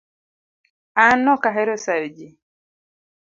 An Ok ahero sayo jii